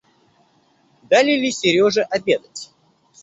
Дали ли Сереже обедать?